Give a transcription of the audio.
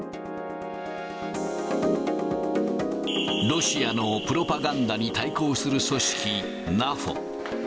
ロシアのプロパガンダに対抗する組織、ナフォ。